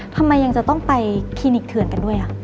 ทำไมยังจะต้องไปคลินิกเถื่อนกันด้วย